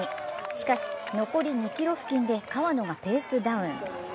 しかし、残り２ｋｍ付近で川野がペースダウン。